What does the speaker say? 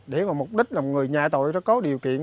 để mục đích là người nhà tội có điều kiện